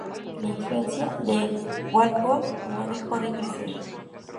La influencia de Walpole no dejó de crecer.